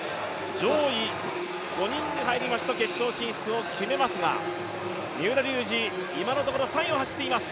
上位５人に入りますと決勝進出を決めますが、三浦龍司、今のところ３位を走っています。